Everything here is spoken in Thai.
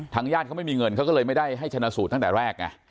ญาติเขาไม่มีเงินเขาก็เลยไม่ได้ให้ชนะสูตรตั้งแต่แรกไง